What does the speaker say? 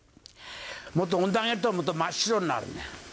もっと温度上げると、真っ白になるんや。